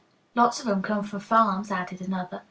'" "Lots of 'em come from farms," added another.